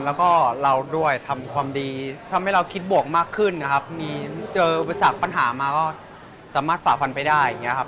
แล้วก็เราด้วยทำความดีทำให้เราคิดบวกมากขึ้นมีเจอปัญหามาก็สามารถฝากฟันไปได้